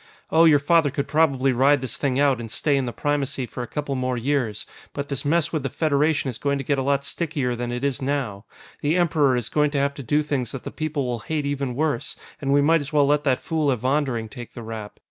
"Oh, your father could probably ride this thing out and stay in the Primacy for a couple more years. But this mess with the Federation is going to get a lot stickier than it is now. The Emperor is going to have to do things that the people will hate even worse, and we might as well let that fool Evondering take the rap.